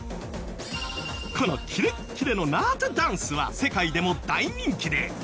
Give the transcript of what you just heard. このキレッキレのナートゥダンスは世界でも大人気で。